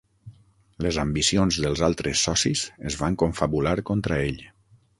Les ambicions dels altres socis es van confabular contra ell.